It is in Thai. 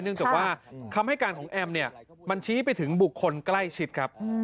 เนื่องจากว่าคำให้การของแอมมันชี้ไปถึงบุคคลใกล้ชิดครับ